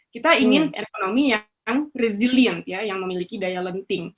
kita ingin ekonomi yang resilient yang memiliki daya lenting